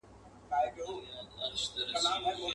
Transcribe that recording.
نه سل سرى اژدها په گېډه موړ سو.